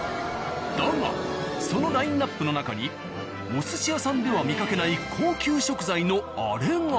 だがそのラインアップの中にお寿司屋さんでは見かけない高級食材のアレが。